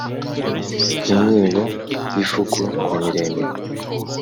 imyibo yifuku nimireremire.